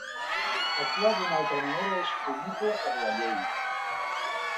Actuar d'una altra manera és punible per la llei.